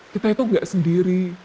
kita itu tidak sendiri